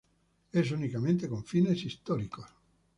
Es únicamente con fines históricos.